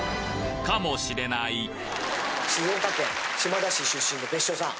かもしれない静岡県島田市出身の別所さん。